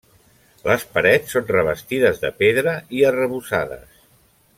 Les parets són revestides de pedra i arrebossades.